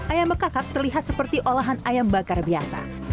ayam bekakak terlihat seperti olahan ayam bakar biasa